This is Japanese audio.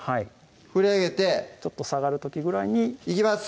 振り上げてちょっと下がる時ぐらいにいきます